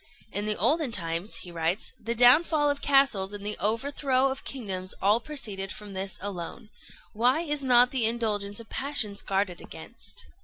"In the olden times," he writes, "the downfall of castles and the overthrow of kingdoms all proceeded from this alone. Why is not the indulgence of passions guarded against?"